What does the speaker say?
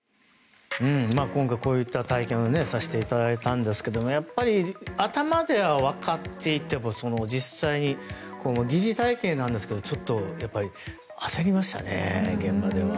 今回、こういった体験をさせていただいたいんですがやっぱり頭ではわかっていても実際に、疑似体験なんですがちょっとやっぱり焦りましたね、現場では。